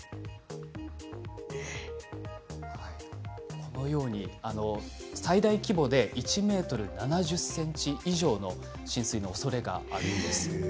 このように最大規模で１ｍ７０ｃｍ以上の浸水のおそれがあります。